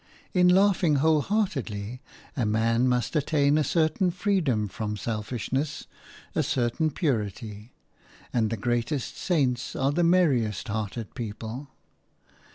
In laughing wholeheartedly a man must attain a certain freedom from selfishness, a certain purity; and the greatest saints are the merriest hearted people.